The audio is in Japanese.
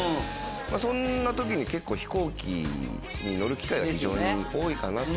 そんな時に結構飛行機に乗る機会が非常に多いかなと。